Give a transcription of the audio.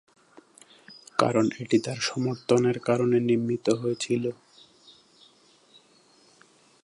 কারণ এটি তার সমর্থনের কারণে নির্মিত হয়েছিল।